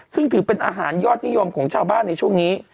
ซึ่งถือเป็นอาหารยอดนิยมของชาวบ้านในช่วงนี้